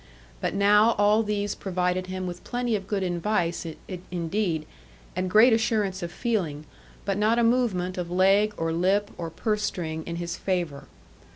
But now all these provided him with plenty of good advice indeed, and great assurance of feeling, but not a movement of leg, or lip, or purse string in his favour.